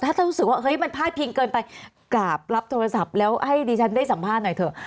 ถ้ารู้สึกว่าเฮ้ยมันพาดพิงเกินไปกราบรับโทรศัพท์แล้วให้ดิฉันได้สัมภาษณ์หน่อยเถอะ